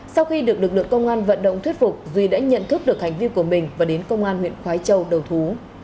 sau khi được lực lượng công an vận động thuyết phục duy đã nhận thức được hành vi của mình và đến công an huyện khói châu đầu thú